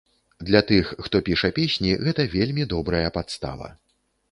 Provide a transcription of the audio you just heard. Для тых, хто піша песні, гэта вельмі добрая падстава.